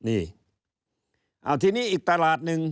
เอ้าทีนี้อีกตลาดนึง